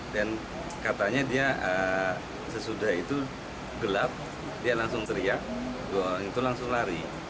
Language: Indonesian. dan katanya dia sesudah itu gelap dia langsung teriak dua orang itu langsung lari